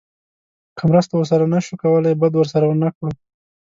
که مرسته ورسره نه شو کولی بد ورسره ونه کړو.